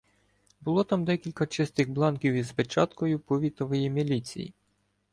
Було там декілька чистих бланків із печаткою повітової міліції.